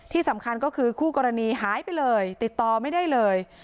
ที่สำคัญก็คือคู่กรณีหายไปเลยติดต่อไม่ได้เลย